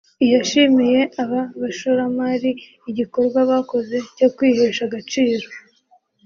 yashimiye aba bashoramari igikorwa bakoze cyo kwihesha agaciro